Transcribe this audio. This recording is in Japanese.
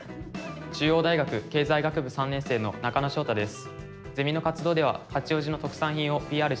中央大学経済学部３年生の中野翔太です。